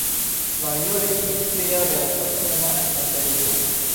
La jurisdikcio de la Kortumo estas deviga.